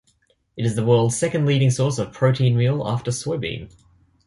It is the world's second-leading source of protein meal after soybean.